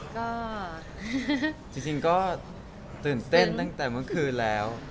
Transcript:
ก็จริงก็ตื่นเต้นตั้งแต่เมื่อคืนแล้ว